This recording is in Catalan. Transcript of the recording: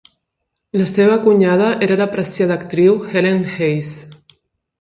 La seva cunyada era l'apreciada actriu Helen Hayes.